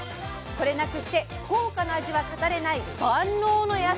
これなくして福岡の味は語れない万能の野菜